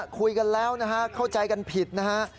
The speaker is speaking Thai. คุยกันแล้วนะฮะเข้าใจกันผิดนะฮะ